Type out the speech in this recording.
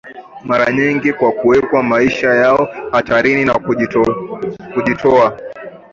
mara nyingi kwa kuweka maisha yao hatarini na kujitoa